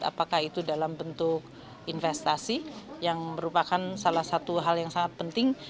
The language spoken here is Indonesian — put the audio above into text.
apakah itu dalam bentuk investasi yang merupakan salah satu hal yang sangat penting